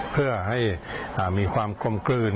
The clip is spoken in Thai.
เพื่อให้มีความกลมกลืน